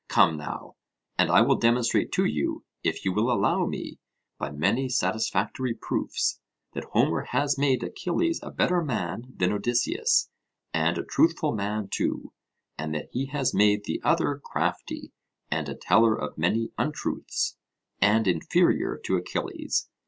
Come now, and I will demonstrate to you, if you will allow me, by many satisfactory proofs, that Homer has made Achilles a better man than Odysseus, and a truthful man too; and that he has made the other crafty, and a teller of many untruths, and inferior to Achilles.